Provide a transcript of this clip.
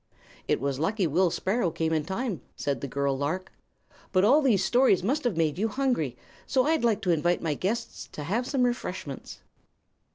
"It was lucky Will Sparrow came in time," said the girl lark. "But all these stories must have made you hungry, so I'd like to invite my guests to have some refreshments."